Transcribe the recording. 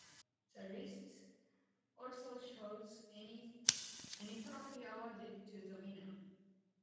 The list also shows any trophy awarded to the winner.